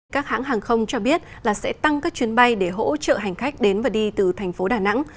các hãng hàng không cho biết là sẽ tăng các chuyến bay để hỗ trợ hành khách đến và đi từ thành phố đà nẵng